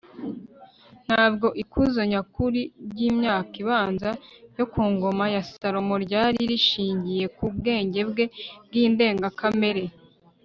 ntabwo ikuzo nyakuri ry'imyaka ibanza yo ku ngoma ya salomo ryari rishingiye ku bwenge bwe bw'indengakamere